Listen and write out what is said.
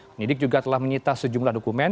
penyidik juga telah menyita sejumlah dokumen